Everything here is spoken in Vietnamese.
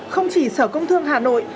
không chỉ sở công thương hà nội